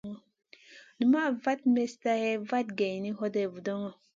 Numaʼ vat mestn hè vat geyni, hoday vudoŋo.